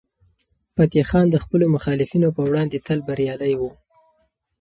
فتح خان د خپلو مخالفینو په وړاندې تل بریالی و.